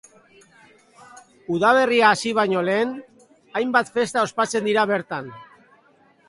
Udaberria hasi baino lehen, hainbat festa ospatzen dira bertan.